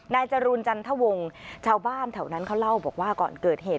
จรูนจันทวงชาวบ้านแถวนั้นเขาเล่าบอกว่าก่อนเกิดเหตุ